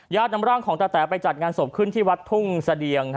นำร่างของตาแต๋ไปจัดงานศพขึ้นที่วัดทุ่งเสดียง